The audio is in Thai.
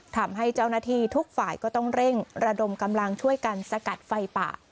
ทำให้เจ้าหน้าที่ทุกฝ่ายก็ต้องเร่งระดมกำลังช่วยกันสกัดไฟป่า